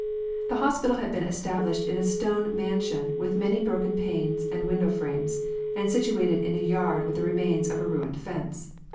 The hospital had been established in a stone mansion with many broken panes and window frames, and situated in a yard with the remains of a ruined fence.